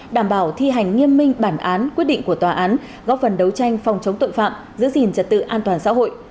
đảm bảo thi hành nghiêm minh bản án quyết định của tòa án góp phần đấu tranh phòng chống tội phạm giữ gìn trật tự an toàn xã hội